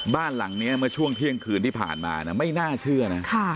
บ้านหลังนี้เมื่อช่วงเที่ยงคืนที่ผ่านมาไม่น่าเชื่อนะ